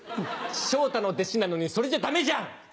昇太の弟子なのにそれじゃダメじゃん！